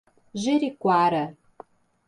Jeriquara